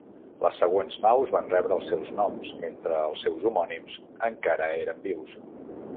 Les següents naus van rebre els seus noms mentre els seus homònims encara eren vius.